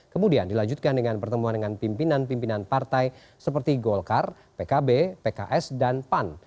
kemudian dilanjutkan dengan pertemuan dengan pimpinan pimpinan partai seperti golkar pkb pks dan pan